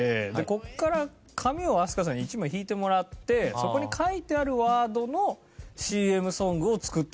ここから紙を飛鳥さんに１枚引いてもらってそこに書いてあるワードのＣＭソングを作ってもらうという。